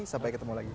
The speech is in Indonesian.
sampai ketemu lagi